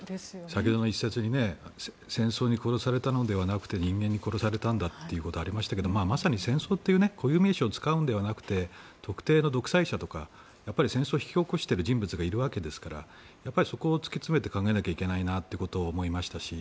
先ほどの一節に戦争に殺されたのではなくて人間に殺されたんだということがありましたがまさに戦争という固有名詞を使うんではなく特定の独裁者とか戦争を引き起こしている人物がいるわけですからそこを突き詰めて考えていかないといけないなと思いましたし